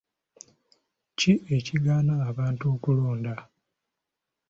Ki ekigaana abantu okulonda?